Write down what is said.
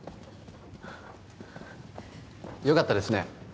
よかったですね